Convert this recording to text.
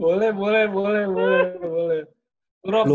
boleh boleh boleh boleh